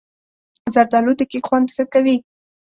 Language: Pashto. زردالو د کیک خوند ښه کوي.